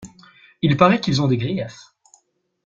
Il paraît qu’ils ont des griefs.